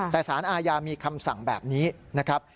แต่สารอาญามีคำสั่งแบบนี้นะครับ